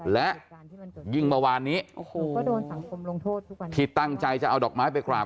และยิ่งเมื่อวานนี้ที่ตั้งใจจะเอาดอกไม้ไปกราบ